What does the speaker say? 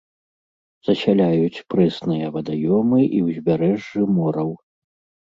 Засяляюць прэсныя вадаёмы і ўзбярэжжы мораў.